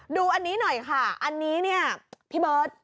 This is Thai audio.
ดูอันนี้หน่อยค่ะอันนี้เนี่ยพี่เบิร์ต